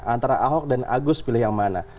antara ahok dan agus pilih yang mana